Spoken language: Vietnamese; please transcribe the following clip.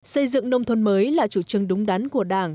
xây dựng nông thôn mới là chủ trương đúng đắn của đảng